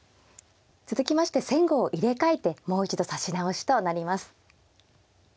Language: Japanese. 続きまして先後を入れ替えてもう一度指し直しとなります。